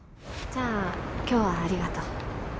じゃ今日はありがとう